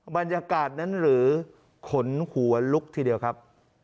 บรรยากาศนั้นหรือขนหัวลุกทีเดียวครับ